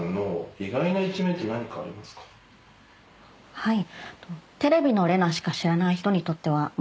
はい。